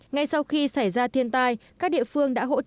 ngay sau khi xảy ra thiên tai các địa phương đã hỗn hợp với tàu